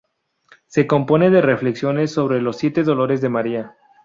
Se compone de reflexiones sobre los siete dolores de María.